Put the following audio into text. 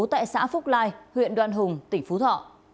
tại xã phúc lai huyện đoan hùng tỉnh phú thọ